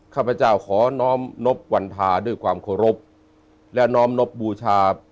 ข้าพเจ้าขอน้อมนบวันพาด้วยความเคารพและน้อมนบบูชา